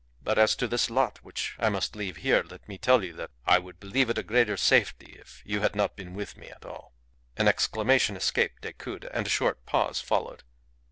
But as to this lot which I must leave here, let me tell you that I would believe it in greater safety if you had not been with me at all." An exclamation escaped Decoud, and a short pause followed.